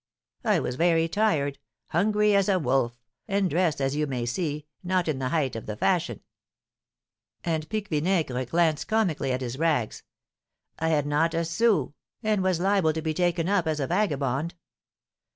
I was very tired, hungry as a wolf, and dressed, as you may see, not in the height of the fashion." And Pique Vinaigre glanced comically at his rags. "I had not a sou, and was liable to be taken up as a vagabond.